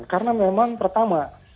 karena memang pertama